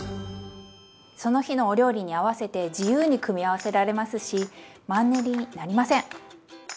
その日のお料理に合わせて自由に組み合わせられますしマンネリになりません！